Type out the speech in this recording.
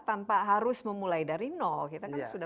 kita tidak harus memulai dari nol